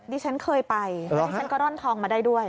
ดิฉันเคยไปแล้วดิฉันก็ร่อนทองมาได้ด้วย